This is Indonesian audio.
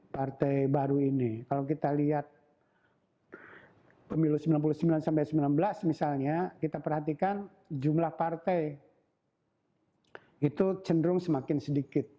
pertanyaannya adalah kalau kita lihat pemilu seribu sembilan ratus sembilan puluh sembilan sampai dua ribu sembilan belas misalnya kita perhatikan jumlah partai itu cenderung semakin sedikit